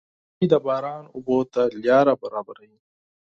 • غونډۍ د باران اوبو ته لاره برابروي.